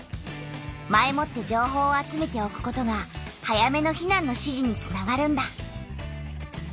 前もって情報を集めておくことが早めの避難の指示につながるんだ。